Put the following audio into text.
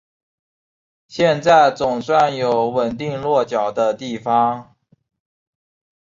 现在总算有稳定落脚的地方